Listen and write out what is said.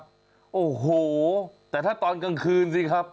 ไม่เท่าไรหรอกครับโอ้โหแต่ถ้าตอนกลางคืนสิครับ